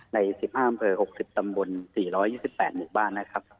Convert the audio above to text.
ใน๑๕๖๐ตำบล๔๒๘หมู่บ้านนะครับ